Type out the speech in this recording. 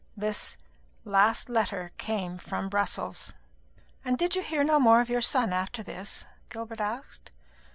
This last letter came from Brussels." "And did you hear no more of your son after this?" Gilbert asked.